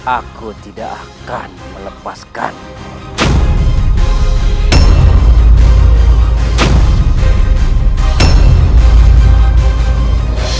aku tidak akan melepaskanmu